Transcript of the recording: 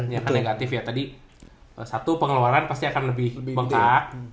yang negatif ya tadi satu pengeluaran pasti akan lebih bengkak